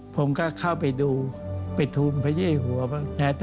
ผมก็เข้าไปดูไปทุมภัยเย้ฐัวบ้าง